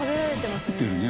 食べてるね。